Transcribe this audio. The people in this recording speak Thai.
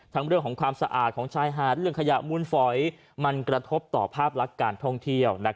เรื่องของความสะอาดของชายหาดเรื่องขยะมูลฝอยมันกระทบต่อภาพลักษณ์การท่องเที่ยว